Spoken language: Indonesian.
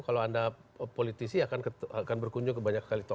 kalau anda politisi akan berkunjung ke banyak sekali toko